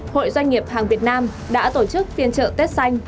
hội doanh nghiệp hàng việt nam đã tổ chức phiên chợ tết xanh